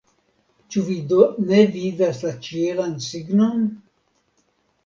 Ĉu vi do ne vidas la ĉielan signon ?